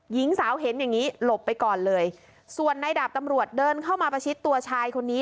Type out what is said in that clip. หญิงสาวเห็นอย่างงี้หลบไปก่อนเลยส่วนในดาบตำรวจเดินเข้ามาประชิดตัวชายคนนี้